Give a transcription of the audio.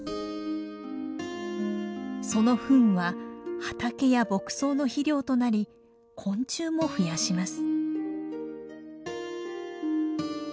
そのふんは畑や牧草の肥料となり昆虫も増やします。